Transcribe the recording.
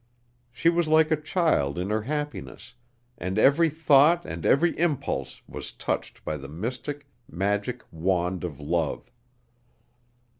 She was like a child in her happiness, and every thought and every impulse was touched by the mystic, magic wand of love.